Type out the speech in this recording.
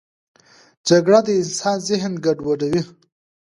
جګړه د انسان ذهن ګډوډوي